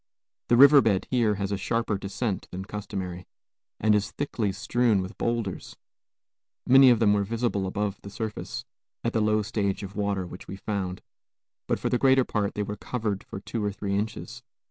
The river bed here has a sharper descent than customary, and is thickly strewn with bowlders; many of them were visible above the surface, at the low stage of water which we found, but for the greater part they were covered for two or three inches.